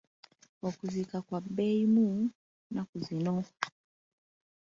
Okuziika kwa bbeeyimu nnaku zino.